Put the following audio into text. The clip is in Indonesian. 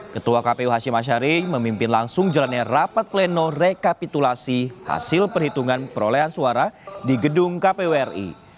ketua kpu hashim ashari memimpin langsung jalannya rapat pleno rekapitulasi hasil perhitungan perolehan suara di gedung kpu ri